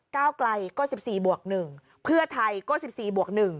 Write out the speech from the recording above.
ก้าวไกลก็๑๔บวก๑เพื่อไทยก็๑๔บวก๑